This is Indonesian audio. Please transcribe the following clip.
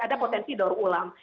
ada potensi dor ulang